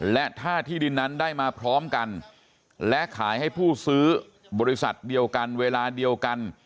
และถ้าที่ดินนั้นได้มาพร้อมกันและขายให้ผู้ซื้อบริษัทเดียวกันเวลาเดียวกัน